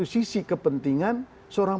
sisi kepentingan seorang